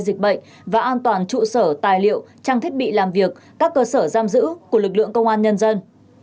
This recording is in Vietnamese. dịch bệnh và an toàn trụ sở tài liệu trang thiết bị làm việc các cơ sở giam giữ của lực lượng công an nhân dân